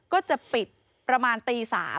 ก็จะปิดประมาณตี๓